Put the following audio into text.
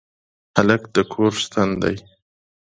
هلک د کور ستن دی.